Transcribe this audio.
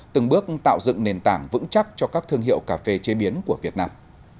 từng bước tạo dựng nền tảng vững chắc cho các thương hiệu cà phê chế biến của việt nam